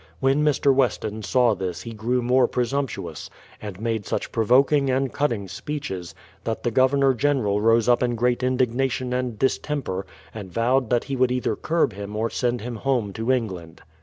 When Mr. Weston saw this he grew more presumptuous, and made such provoking and cutting speeches, that the Governor General rose up in great indignation and dis temper, and vowed that he would either curb him or send him home to England.